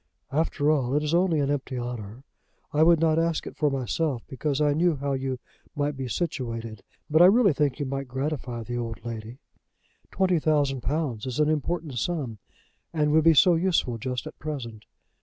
"After all, it is only an empty honour. I would not ask it for myself because I knew how you might be situated. But I really think you might gratify the old lady. Twenty thousand pounds is an important sum, and would be so useful just at present!"